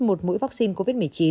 một mũi vaccine covid một mươi chín